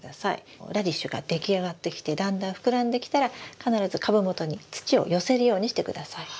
ラディッシュが出来上がってきてだんだん膨らんできたら必ず株元に土を寄せるようにしてください。